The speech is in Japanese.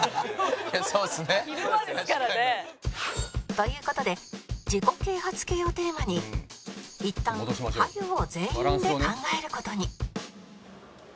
という事で自己啓発系をテーマにいったんは行を全員で考える事に